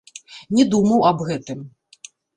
Не думаў аб гэтым.